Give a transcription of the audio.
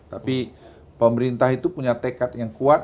tapi pemerintah itu punya tekad yang kuat